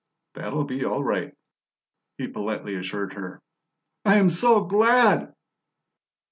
"That'll be all right," he politely assured her. "I am so glad."